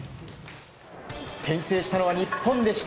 先制したのは日本でした。